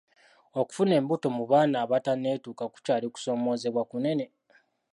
Okufuna embuto mu baana abatanneetuuka kukyali kusoomozebwa kunene.